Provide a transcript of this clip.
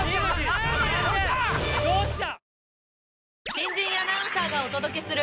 どうした？